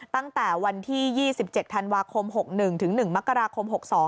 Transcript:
ตั้งแต่วันที่๒๗ธันวาคม๖๑ถึง๑มกราคม๖๒